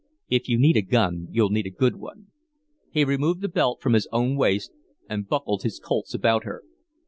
"If you need a gun you'll need a good one." He removed the belt from his own waist and buckled his Colts about her.